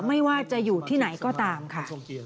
ไม่ว่าจะอยู่ที่ไหนก็ตามค่ะ